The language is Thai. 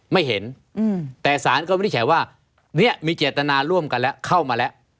ไม่เห็นแต่สารก็วินิจฉัยว่าเนี่ยมีเจตนาร่วมกันแล้วเข้ามาแล้ว